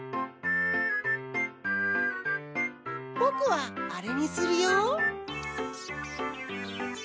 ぼくはあれにするよ。